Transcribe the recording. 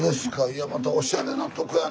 いやまたおしゃれなとこやな